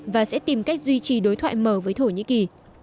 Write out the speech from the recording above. và sẽ tìm cách duy trì đối thoại mở với thổ nhĩ kỳ